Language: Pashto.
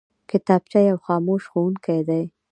کتابچه یو خاموش ښوونکی دی